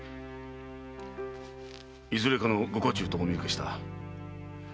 いずれかのご家中とお見受けした。